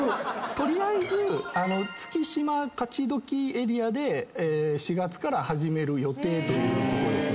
取りあえず月島・勝どきエリアで４月から始める予定ということですね。